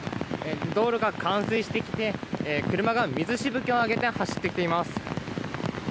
道路が冠水してきて車が水しぶきを上げて走ってきています。